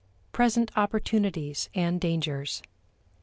Present Opportunities and Dangers.